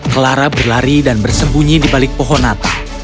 clara berlari dan bersembunyi di balik pohon natal